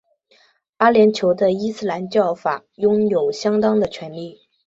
阿联酋的伊斯兰教法拥有相当的权力。